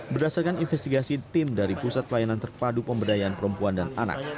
berdasarkan investigasi tim dari pusat pelayanan terpadu pemberdayaan perempuan dan anak